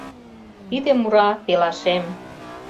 Тиде мура пелашем